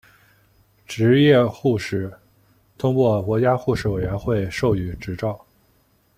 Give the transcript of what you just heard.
执业护士通过国家护士委员会授予执照。